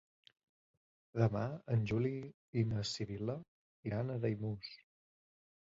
Demà en Juli i na Sibil·la iran a Daimús.